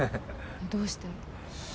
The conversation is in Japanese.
どうして？